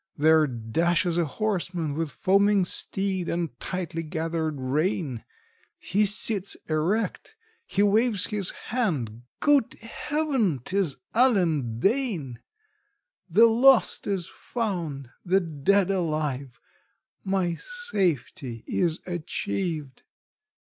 There dashes a horseman with foaming steed and tightly gathered rein! He sits erect! he waves his hand! good Heaven! 'tis Allen Bayne! The lost is found, the dead alive, my safety is achieved!